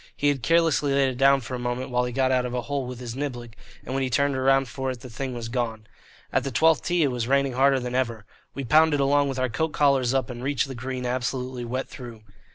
He had carelessly laid it down for a moment while he got out of a hole with his niblick, and when he turned round for it the thing was gone. At the twelfth tee it was raining harder than ever. We pounded along with our coat collars up and reached the green absolutely wet through.